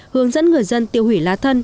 hướng dẫn người dân tiêu hủy lá thân